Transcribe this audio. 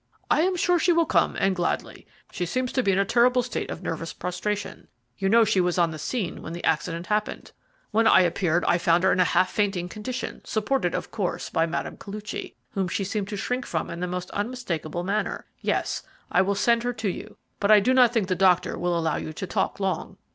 "I am sure she will come, and gladly. She seems to be in a terrible state of nervous prostration. You know she was on the scene when the accident happened. When I appeared I found her in a half fainting condition, supported, of course, by Mme. Koluchy, whom she seemed to shrink from in the most unmistakable manner. Yes, I will send her to you, but I do not think the doctor will allow you to talk long."